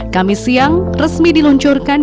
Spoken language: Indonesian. kami siang resmi diluncurkan